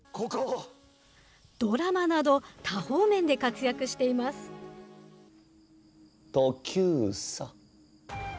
ドラマなど、多方面で活躍していトキューサ。